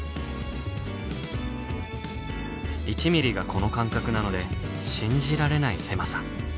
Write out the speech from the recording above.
１ミリがこの間隔なので信じられない狭さ。